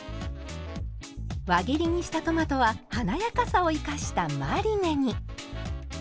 輪切りにしたトマトは華やかさを生かしたマリネに。